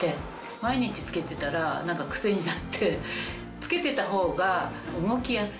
毎日着けてたら癖になって着けてた方が動きやすい。